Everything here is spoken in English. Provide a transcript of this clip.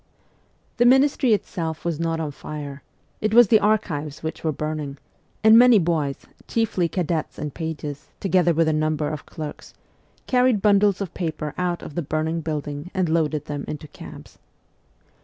The Ministry itself was not on fire ; it was the archives which were burning, and many boys, chiefly cadets and pages, together with a number of clerks, carried bundles of papers out of the burning building and loaded them into cabs.